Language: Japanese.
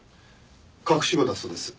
隠し子だそうです。